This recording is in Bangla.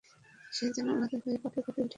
সে যেন আলাদা হয়ে পাকে পাকে উঠে গেছে।